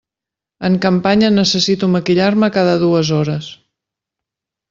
En campanya necessito maquillar-me cada dues hores.